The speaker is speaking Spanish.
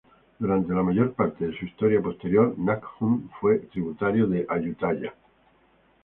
Durante la mayor parte de su historia posterior Nakhon fue tributario de Ayutthaya.